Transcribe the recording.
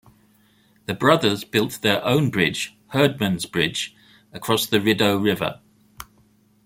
The brothers built their own bridge, Hurdman's Bridge, across the Rideau River.